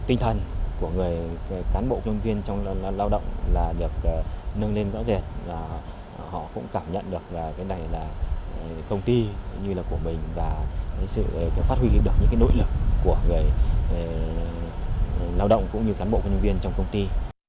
tinh thần của người cán bộ nhân viên trong lao động là được nâng lên rõ rệt và họ cũng cảm nhận được là cái này là công ty cũng như là của mình và sự phát huy được những nỗ lực của người lao động cũng như cán bộ công nhân viên trong công ty